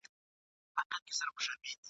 لکه توپان په مخه کړې مرغۍ ..